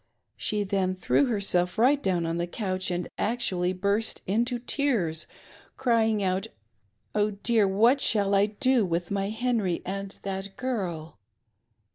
She then threw herself right down on the couch and actually burst into tears, crying out " Oh dear, what shall I do with my Henry and that girl